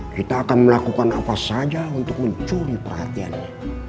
kita akan melakukan apa saja untuk mencuri perhatiannya